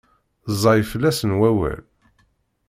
Ẓẓay fell-asen wawal?